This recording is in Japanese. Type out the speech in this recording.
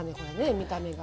見た目が。